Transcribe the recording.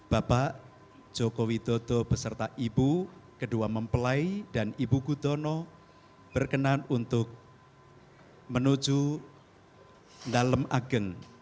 bapak joko widodo beserta ibu kedua mempelai dan ibu gudono berkenan untuk menuju dalem ageng